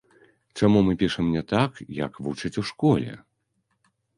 Чаму мы пішам не так, як вучаць у школе?